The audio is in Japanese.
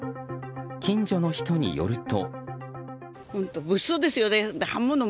近所の人によると。